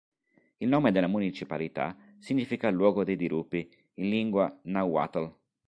Il nome della municipalità significa "Luogo dei dirupi" in lingua nahuatl.